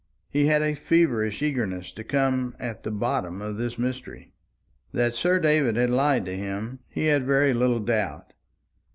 He had a feverish eagerness to come at the bottom of this mystery. That Sir David had lied to him, he had very little doubt.